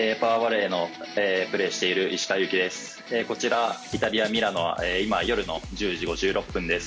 イタリア・ミラノは夜の１０時５６分です。